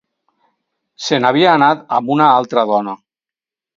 Se n'havia anat amb una altra dona.